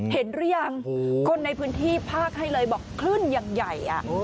เห็นหรือยังคนในพื้นที่พากให้เลยบอกขึ้นอย่างใหญ่